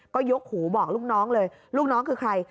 ก็ยกหูบอกลูกน้องเลยลูกน้องคือใคร